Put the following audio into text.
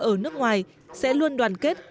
ở nước ngoài sẽ luôn đoàn kết